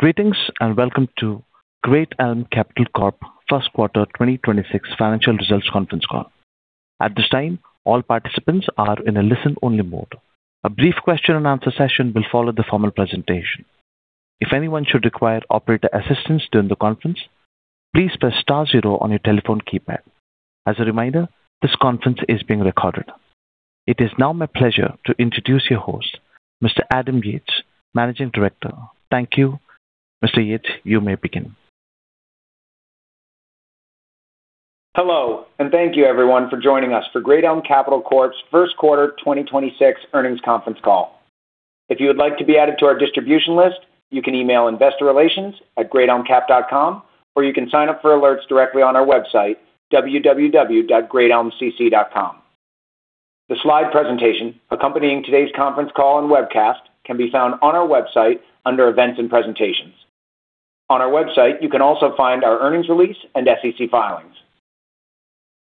Greetings, and welcome to Great Elm Capital Corp first quarter 2026 financial results conference call. At this time, all participants are in a listen-only mode. A brief question and answer session will follow the formal presentation. If anyone should require operator assistance during the conference, please press star zero on your telephone keypad. As a reminder, this conference is being recorded. It is now my pleasure to introduce your host, Mr. Adam Yates, Managing Director. Thank you. Mr. Yates, you may begin. Hello, thank you, everyone, for joining us for Great Elm Capital Corp's first quarter 2026 earnings conference call. If you would like to be added to our distribution list, you can email investorrelations@greatelmcap.com, or you can sign up for alerts directly on our website, www.greatelmcc.com. The slide presentation accompanying today's conference call and webcast can be found on our website under Events and Presentations. On our website, you can also find our earnings release and SEC filings.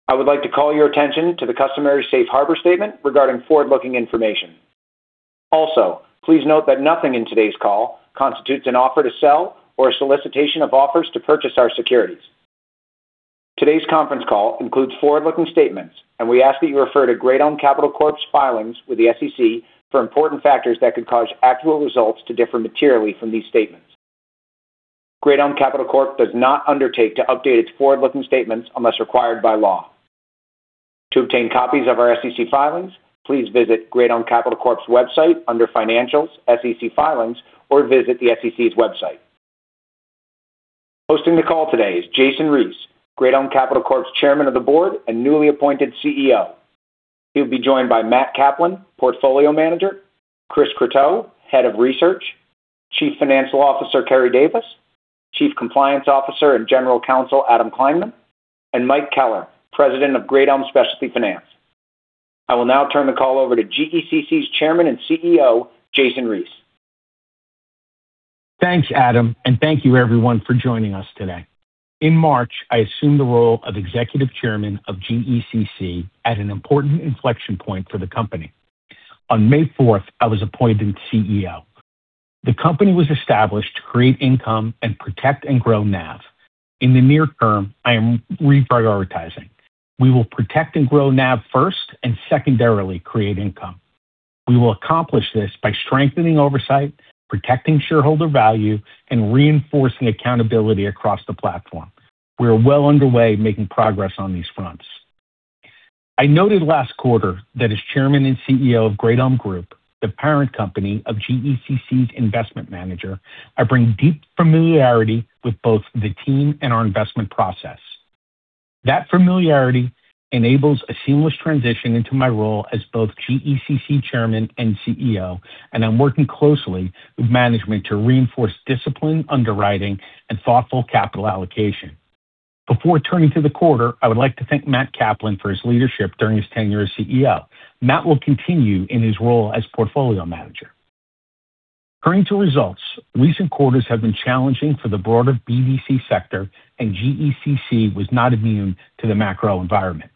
I would like to call your attention to the customary safe harbor statement regarding forward-looking information. Also, please note that nothing in today's call constitutes an offer to sell or a solicitation of offers to purchase our securities. Today's conference call includes forward-looking statements, and we ask that you refer to Great Elm Capital Corp's filings with the SEC for important factors that could cause actual results to differ materially from these statements. Great Elm Capital Corp does not undertake to update its forward-looking statements unless required by law. To obtain copies of our SEC filings, please visit Great Elm Capital Corp's website under Financials, SEC Filings, or visit the SEC's website. Hosting the call today is Jason Reese, Great Elm Capital Corp's Chairman of the Board and newly appointed CEO. He'll be joined by Matt Kaplan, Portfolio Manager, Chris Croteau, Head of Research, Chief Financial Officer Keri Davis, Chief Compliance Officer and General Counsel Adam Kleinman, and Michael Keller, President of Great Elm Specialty Finance. I will now turn the call over to GECC's Chairman and CEO, Jason Reese. Thanks, Adam, and thank you everyone for joining us today. In March, I assumed the role of Executive Chairman of GECC at an important inflection point for the company. On May 4th, I was appointed CEO. The company was established to create income and protect and grow NAV. In the near term, I am reprioritizing. We will protect and grow NAV first and secondarily create income. We will accomplish this by strengthening oversight, protecting shareholder value, and reinforcing accountability across the platform. We are well underway making progress on these fronts. I noted last quarter that as Chairman and CEO of Great Elm Group, the parent company of GECC's investment manager, I bring deep familiarity with both the team and our investment process. That familiarity enables a seamless transition into my role as both GECC Chairman and CEO, I'm working closely with management to reinforce disciplined underwriting and thoughtful capital allocation. Before turning to the quarter, I would like to thank Matt Kaplan for his leadership during his tenure as CEO. Matt will continue in his role as portfolio manager. Turning to results. Recent quarters have been challenging for the broader BDC sector, GECC was not immune to the macro environment.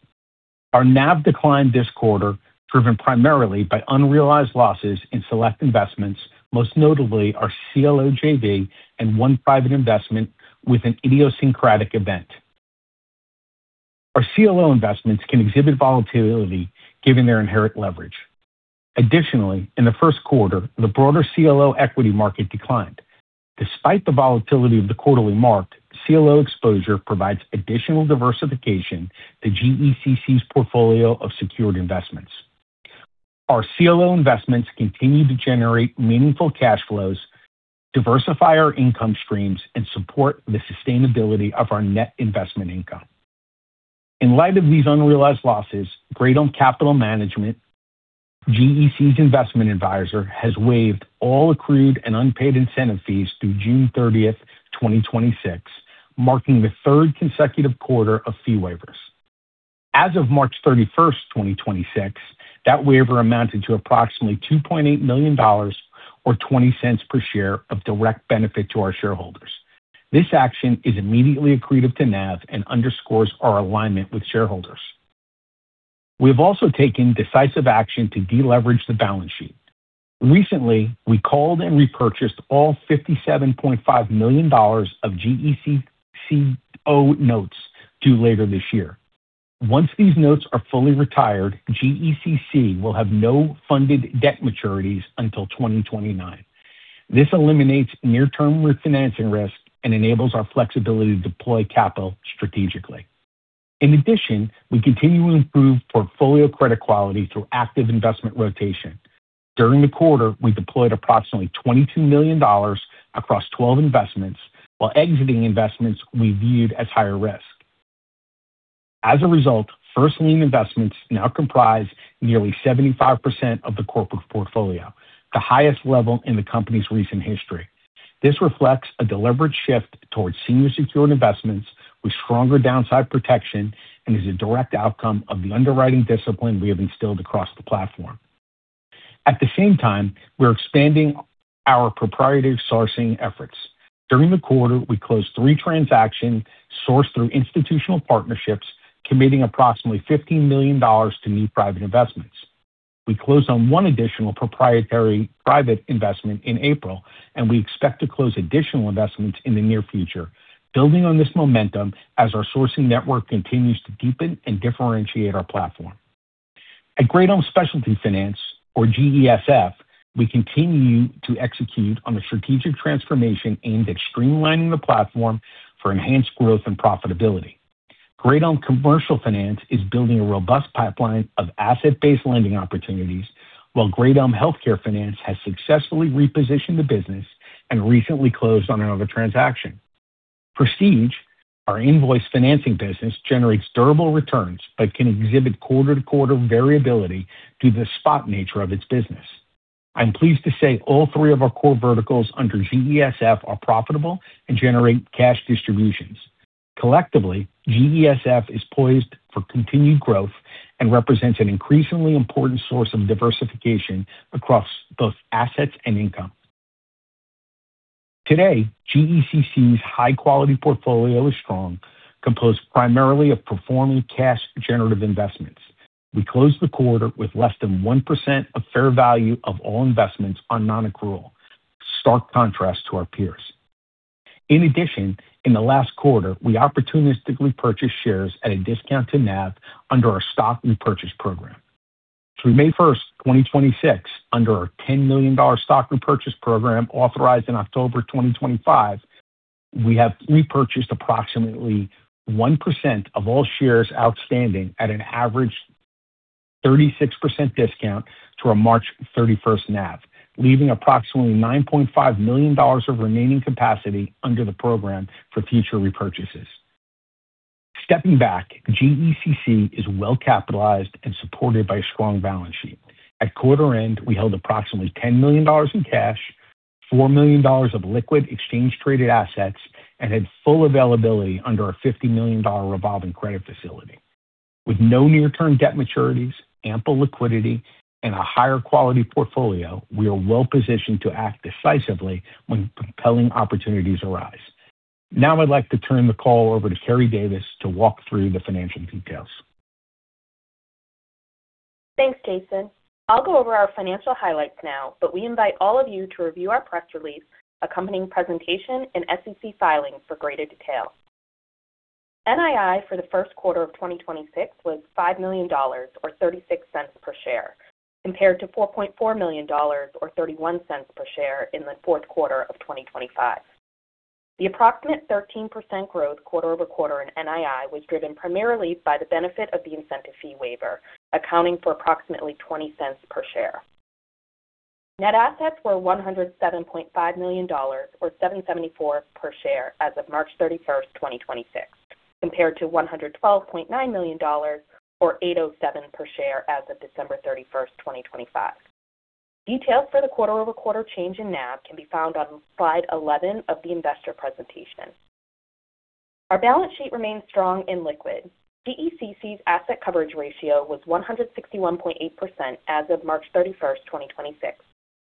Our NAV declined this quarter, driven primarily by unrealized losses in select investments, most notably our CLO JV and 1 private investment with an idiosyncratic event. Our CLO investments can exhibit volatility given their inherent leverage. Additionally, in the first quarter, the broader CLO equity market declined. Despite the volatility of the quarterly marked, CLO exposure provides additional diversification to GECC's portfolio of secured investments. Our CLO investments continue to generate meaningful cash flows, diversify our income streams, and support the sustainability of our net investment income. In light of these unrealized losses, Great Elm Capital Management, GECC's investment advisor, has waived all accrued and unpaid incentive fees through June 30th, 2026, marking the third consecutive quarter of fee waivers. As of March 31st, 2026, that waiver amounted to approximately $2.8 million or $0.20 per share of direct benefit to our shareholders. This action is immediately accretive to NAV and underscores our alignment with shareholders. We have also taken decisive action to deleverage the balance sheet. Recently, we called and repurchased all $57.5 million of GECCO notes due later this year. Once these notes are fully retired, GECC will have no funded debt maturities until 2029. This eliminates near-term refinancing risk and enables our flexibility to deploy capital strategically. In addition, we continue to improve portfolio credit quality through active investment rotation. During the quarter, we deployed approximately $22 million across 12 investments while exiting investments we viewed as higher risk. As a result, first lien investments now comprise nearly 75% of the corporate portfolio, the highest level in the company's recent history. This reflects a deliberate shift towards senior secured investments with stronger downside protection and is a direct outcome of the underwriting discipline we have instilled across the platform. At the same time, we're expanding our proprietary sourcing efforts. During the quarter, we closed three transactions sourced through institutional partnerships, committing approximately $15 million to new private investments. We closed on one additional proprietary private investment in April, and we expect to close additional investments in the near future, building on this momentum as our sourcing network continues to deepen and differentiate our platform. At Great Elm Specialty Finance, or GESF, we continue to execute on the strategic transformation aimed at streamlining the platform for enhanced growth and profitability. Great Elm Commercial Finance is building a robust pipeline of asset-based lending opportunities, while Great Elm Healthcare Finance has successfully repositioned the business and recently closed on another transaction. Prestige, our invoice financing business, generates durable returns but can exhibit quarter-to-quarter variability due to the spot nature of its business. I'm pleased to say all three of our core verticals under GESF are profitable and generate cash distributions. Collectively, GESF is poised for continued growth and represents an increasingly important source of diversification across both assets and income. Today, GECC's high-quality portfolio is strong, composed primarily of performing cash-generative investments. We closed the quarter with less than 1% of fair value of all investments on non-accrual, stark contrast to our peers. In addition, in the last quarter, we opportunistically purchased shares at a discount to NAV under our stock repurchase program. Through May 1st, 2026, under our $10 million stock repurchase program authorized in October 2025, we have repurchased approximately 1% of all shares outstanding at an average 36% discount to our March 31st NAV, leaving approximately $9.5 million of remaining capacity under the program for future repurchases. Stepping back, GECC is well-capitalized and supported by a strong balance sheet. At quarter end, we held approximately $10 million in cash, $4 million of liquid exchange traded assets, and had full availability under our $50 million revolving credit facility. With no near-term debt maturities, ample liquidity, and a higher quality portfolio, we are well-positioned to act decisively when compelling opportunities arise. I'd like to turn the call over to Keri Davis to walk through the financial details. Thanks, Jason. I'll go over our financial highlights now, but we invite all of you to review our press release, accompanying presentation, and SEC filings for greater detail. NII for the first quarter of 2026 was $5 million, or $0.36 per share, compared to $4.4 million or $0.31 per share in the fourth quarter of 2025. The approximate 13% growth quarter-over-quarter in NII was driven primarily by the benefit of the incentive fee waiver, accounting for approximately $0.20 per share. Net assets were $107.5 million, or $7.74 per share as of March 31st, 2026, compared to $112.9 million or $8.07 per share as of December 31st, 2025. Details for the quarter-over-quarter change in NAV can be found on slide 11 of the investor presentation. Our balance sheet remains strong and liquid. GECC's asset coverage ratio was 161.8% as of March 31st, 2026,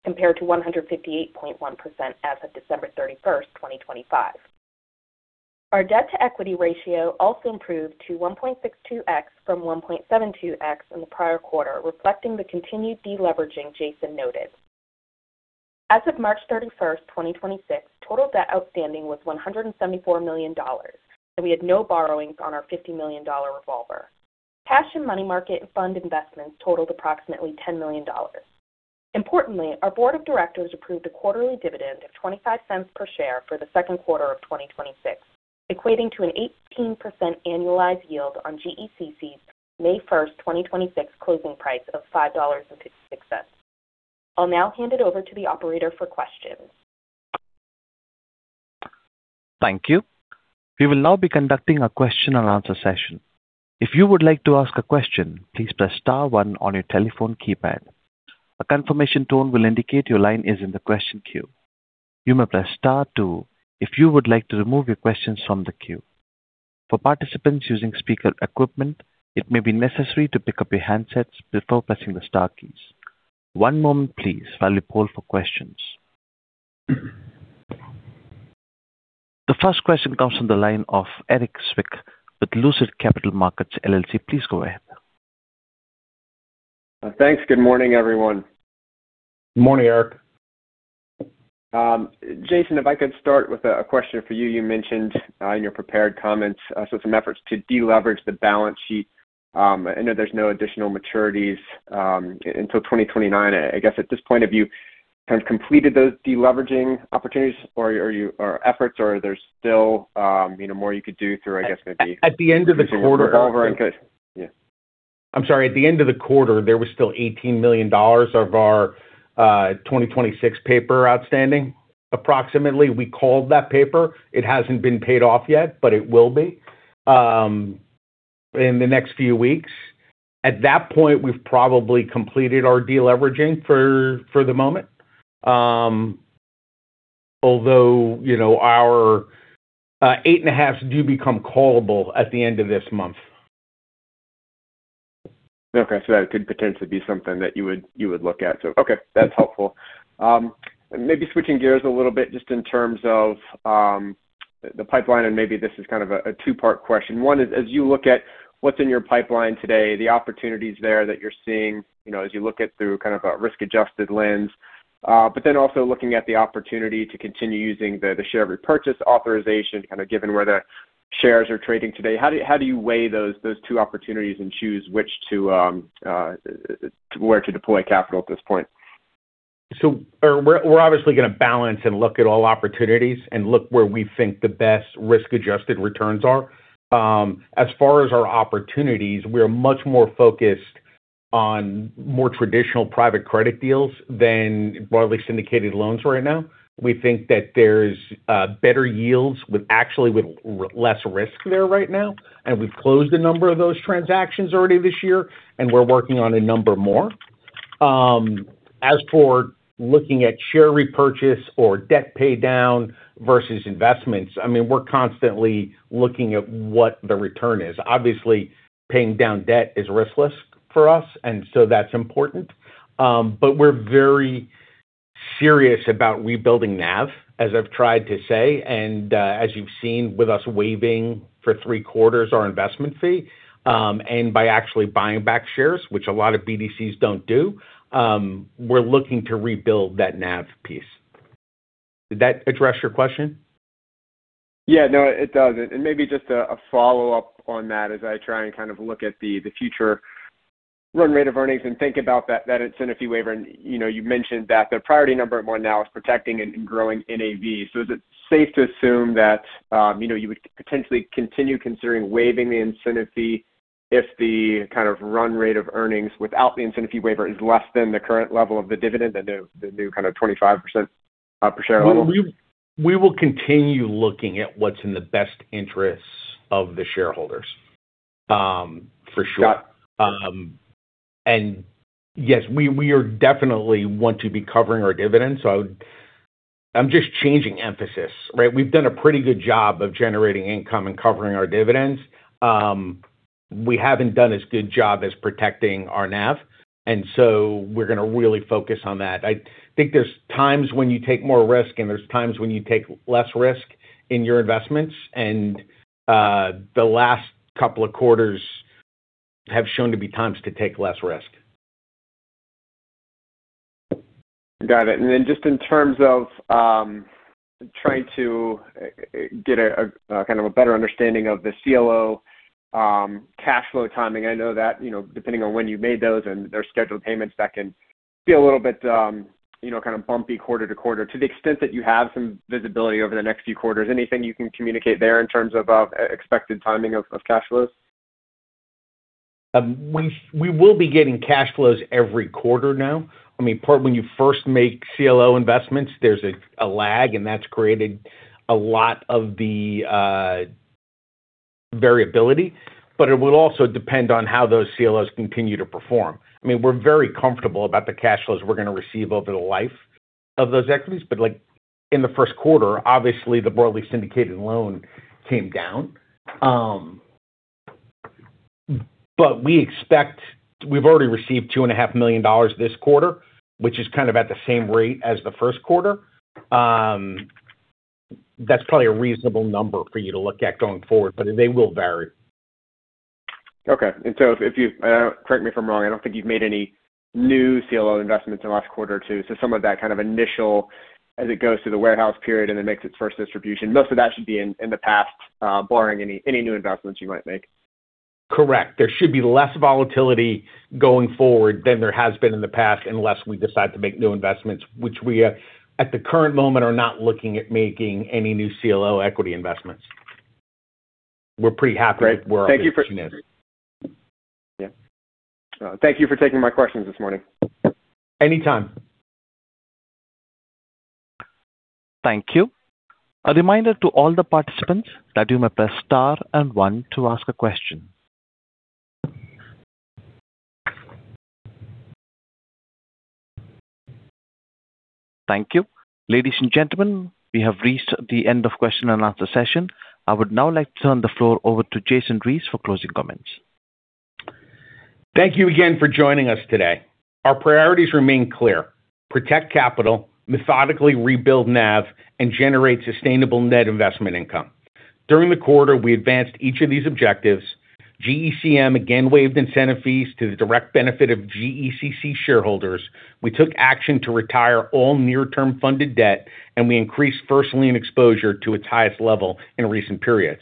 compared to 158.1% as of December 31st, 2025. Our debt-to-equity ratio also improved to 1.62x from 1.72x in the prior quarter, reflecting the continued deleveraging Jason noted. As of March 31st, 2026, total debt outstanding was $174 million, and we had no borrowings on our $50 million revolver. Cash and money market fund investments totaled approximately $10 million. Importantly, our board of directors approved a quarterly dividend of $0.25 per share for the second quarter of 2026, equating to an 18% annualized yield on GECC's May 1st, 2026 closing price of $5.56. I'll now hand it over to the operator for questions. Thank you. We will now be conducting a question and answer session. If you would like to ask a question, please press star one on your telephone keypad. A confirmation tone will indicate your line is in the question queue. You may press star two if you would like to remove your questions from the queue. For participants using speaker equipment, it may be necessary to pick up your handsets before pressing the star keys. One moment please while we poll for questions. The first question comes from the line of Erik Zwick with Lucid Capital Markets, LLC. Please go ahead. Thanks. Good morning, everyone. Morning, Erik. Jason, if I could start with a question for you. You mentioned in your prepared comments, some efforts to deleverage the balance sheet. I know there's no additional maturities until 2029. I guess at this point, have you kind of completed those deleveraging opportunities or efforts, or are there still, you know, more you could do through? At the end of the quarter- Releveraging. Yeah. I'm sorry. At the end of the quarter, there was still $18 million of our 2026 paper outstanding approximately. We called that paper. It hasn't been paid off yet, but it will be in the next few weeks. At that point, we've probably completed our deleveraging for the moment. Although, you know, our 8.5 do become callable at the end of this month. Okay. That could potentially be something that you would look at. Okay, that's helpful. Maybe switching gears a little bit just in terms of the pipeline, and maybe this is kind of a two-part question. One is, as you look at what's in your pipeline today, the opportunities there that you're seeing, you know, as you look at through kind of a risk-adjusted lens. Also looking at the opportunity to continue using the share repurchase authorization, kind of given where the shares are trading today. How do you weigh those two opportunities and choose which to where to deploy capital at this point? We're obviously gonna balance and look at all opportunities and look where we think the best risk-adjusted returns are. As far as our opportunities, we are much more focused on more traditional private credit deals than broadly syndicated loans right now. We think that there's actually less risk there right now. We've closed a number of those transactions already this year, and we're working on a number more. As for looking at share repurchase or debt pay down versus investments, I mean, we're constantly looking at what the return is. Obviously, paying down debt is riskless for us, that's important. We're very serious about rebuilding NAV, as I've tried to say, and as you've seen with us waiving for three quarters our investment fee, and by actually buying back shares, which a lot of BDCs don't do, we're looking to rebuild that NAV piece. Did that address your question? Yeah. No, it does. Maybe just a follow-up on that as I try and look at the future run rate of earnings and think about that incentive fee waiver. You know, you mentioned that the priority number one now is protecting and growing NAV. Is it safe to assume that, you know, you would potentially continue considering waiving the incentive fee if the run rate of earnings without the incentive fee waiver is less than the current level of the dividend, the new 25% per share level? We will continue looking at what's in the best interests of the shareholders, for sure. Got it. Yes, we are definitely want to be covering our dividends. I would I'm just changing emphasis, right? We've done a pretty good job of generating income and covering our dividends. We haven't done as good job as protecting our NAV. We're going to really focus on that. I think there's times when you take more risk, and there's times when you take less risk in your investments. The last couple of quarters have shown to be times to take less risk. Got it. Just in terms of trying to get a kind of a better understanding of the CLO cash flow timing. I know that, you know, depending on when you made those and their scheduled payments, that can be a little bit, you know, kind of bumpy quarter to quarter. To the extent that you have some visibility over the next few quarters, anything you can communicate there in terms of expected timing of cash flows? We will be getting cash flows every quarter now. I mean, part when you first make CLO investments, there's a lag, and that's created a lot of the variability, but it will also depend on how those CLOs continue to perform. I mean, we're very comfortable about the cash flows we're gonna receive over the life of those equities. Like, in the first quarter, obviously, the broadly syndicated loan came down. We expect We've already received $2,500,000 this quarter, which is kind of at the same rate as the first quarter. That's probably a reasonable number for you to look at going forward, but they will vary. Okay. If you correct me if I'm wrong, I don't think you've made any new CLO investments in the last quarter or two. Some of that kind of initial as it goes through the warehouse period and it makes its first distribution, most of that should be in the past, barring any new investments you might make. Correct. There should be less volatility going forward than there has been in the past unless we decide to make new investments, which we, at the current moment, are not looking at making any new CLO equity investments. Great. Thank you. With where our position is. Yeah. Thank you for taking my questions this morning. Anytime. Thank you. A reminder to all the participants that you may press star and one to ask a question. Thank you. Ladies and gentlemen, we have reached the end of question and answer session. I would now like to turn the floor over to Jason Reese for closing comments. Thank you again for joining us today. Our priorities remain clear: protect capital, methodically rebuild NAV, and generate sustainable net investment income. During the quarter, we advanced each of these objectives. GECM again waived incentive fees to the direct benefit of GECC shareholders. We took action to retire all near-term funded debt, and we increased first lien exposure to its highest level in recent periods.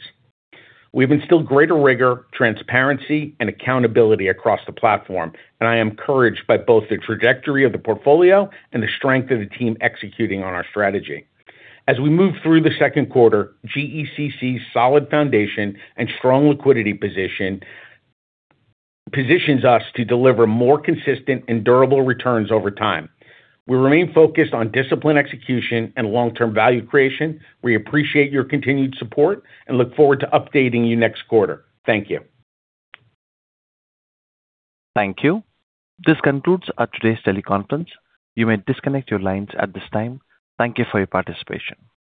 We've instilled greater rigor, transparency, and accountability across the platform, and I am encouraged by both the trajectory of the portfolio and the strength of the team executing on our strategy. As we move through the second quarter, GECC's solid foundation and strong liquidity position positions us to deliver more consistent and durable returns over time. We remain focused on disciplined execution and long-term value creation. We appreciate your continued support and look forward to updating you next quarter. Thank you. Thank you. This concludes our today's teleconference. You may disconnect your lines at this time. Thank you for your participation.